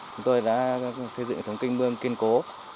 chúng tôi đã xây dựng hệ thống kinh mương kiên cố